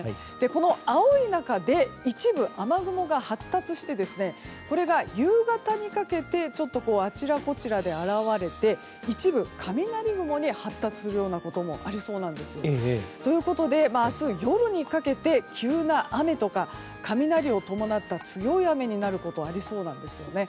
この青い中で一部、雨雲が発達してこれが夕方にかけてあちらこちらで現れて一部雷雲に発達するようなこともありそうなんですよ。ということで明日夜にかけて急な雨とか雷を伴った強い雨になることがありそうなんですよね。